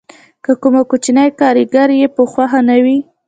که کوم کوچنی کارګر یې په خوښه نه وي